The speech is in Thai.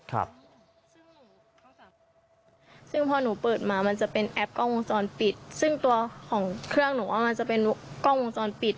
ซึ่งพอหนูเปิดมามันจะเป็นแอปกล้องวงจรปิดซึ่งตัวของเครื่องหนูว่ามันจะเป็นกล้องวงจรปิด